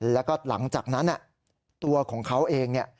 แล้วก็หลังจากนั้นตัวของเขาเองเนี่ย